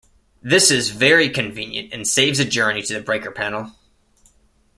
This is very convenient and saves a journey to the breaker panel.